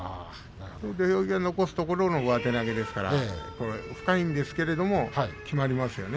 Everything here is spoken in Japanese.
土俵際残すところの上手投げですから深いんですけれども決まりましたよね。